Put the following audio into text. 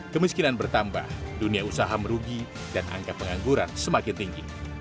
kemiskinan bertambah dunia usaha merugi dan angka pengangguran semakin tinggi